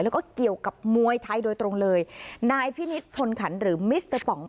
แล้วก็เกี่ยวกับมวยไทยโดยตรงเลยนายพินิษฐพลขันหรือมิสเตอร์ป๋อง